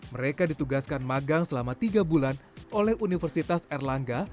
mereka ditugaskan magang selama tiga bulan oleh universitas erlangga